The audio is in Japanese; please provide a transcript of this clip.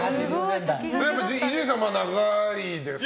伊集院さんは長いですか。